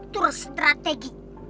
atau beratur strategi